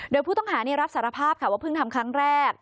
โดยผู้ต้องหารับสารภาพค่ะว่าเพิ่งทำครั้งแรก